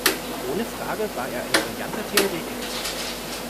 Ohne Frage war er ein brillanter Theoretiker.